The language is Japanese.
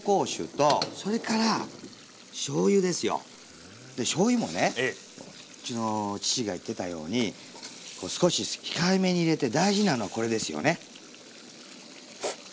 まず入りましたのが。でしょうゆもねうちの父が言ってたように少し控えめに入れて大事なのはこれですよね。